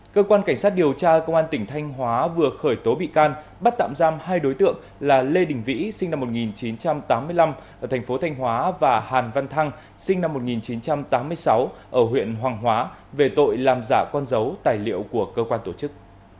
cơ quan cảnh sát điều tra công an tỉnh thanh hóa vừa khởi tố bị can bắt tạm giam hai đối tượng là lê đình vĩ sinh năm một nghìn chín trăm tám mươi năm ở thành phố thanh hóa và hàn văn thăng sinh năm một nghìn chín trăm tám mươi sáu ở huyện hoàng hóa về tội làm giả con dấu tài liệu của cơ quan tổ chức